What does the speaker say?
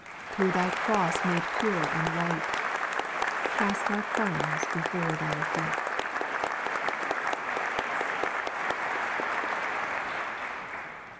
Through Thy cross made pure and white, Cast our crowns before Thv feet.